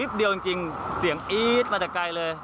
เดียวจริงเสียงอี๊ดมาแต่ไกลเลย